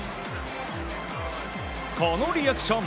このリアクション！